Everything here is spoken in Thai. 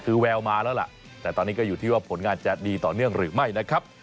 คือแววมาแล้วล่ะแต่ตอนนี้ก็อยู่ที่ว่าผลงานจะดีต่อเนื่องหรือไม่นะครับ